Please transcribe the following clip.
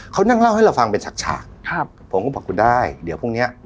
เขานั่งเล่าให้เราฟังเป็นฉากฉากครับผมก็บอกคุณได้เดี๋ยวพรุ่งเนี้ย